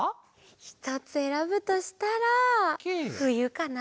ひとつえらぶとしたらふゆかな！